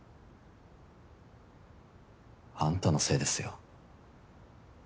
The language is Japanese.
あんたのせいですよ。